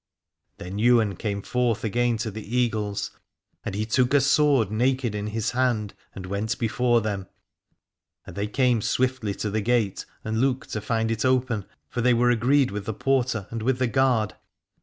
Then Ywain came forth again to the Eagles, and he took a sword naked in his hand and went before them : and they came swiftly to the gate and looked to find it open, for they were agreed with the porter and with the guard.